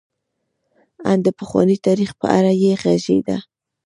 ان د پخواني تاریخ په اړه یې غږېده.